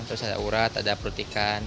terus ada urat ada perut ikan